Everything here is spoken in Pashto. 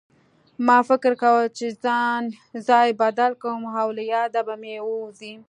ما فکر کوه چې ځای بدل کړم له ياده به مې ووځي